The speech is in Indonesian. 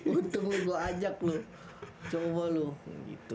untung gua ajak lu coba lu gitu